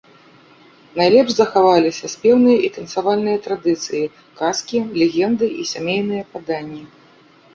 Найлепш захаваліся спеўныя і танцавальныя традыцыі, казкі, легенды і сямейныя паданні.